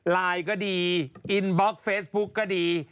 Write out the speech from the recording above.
ไลน์ก็ดีอินบล็อกเฟซบุ๊กก็ดี